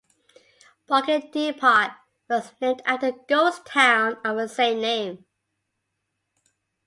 "Boggy Depot" was named after the ghost town of the same name.